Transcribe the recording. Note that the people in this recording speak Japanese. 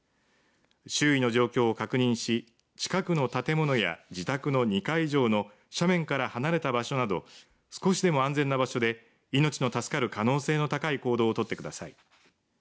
周囲の状況を確認し近くの建物や自宅の２階以上の斜面から離れた場所など少しでも安全な場所で命の助かる可能性の高い行動を取ってください。